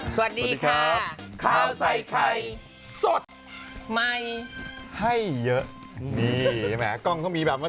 สวัสดีครับข้าวใส่ไข่สดใหม่ให้เยอะนี่แหมกล้องเขามีแบบว่า